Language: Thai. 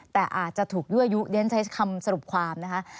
แต่อาจจะถูกยั่วยุเรียนใช้คำสรุปความนะคะ